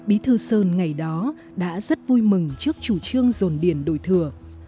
anh sơn ngày đó đã rất vui mừng trước chủ trương dồn điển đổi thừa